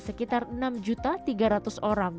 sekitar enam tiga ratus orang